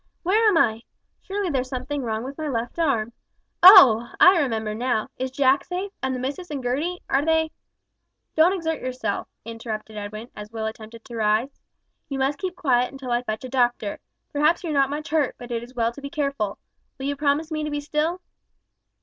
Where am I? Surely there is something wrong with my left arm. Oh! I remember now. Is Jack safe? And the Missis and Gertie? Are they " "Don't exert yourself," interrupted Edwin, as Will attempted to rise. "You must keep quiet until I fetch a doctor. Perhaps you're not much hurt, but it is well to be careful. Will you promise me to be still?"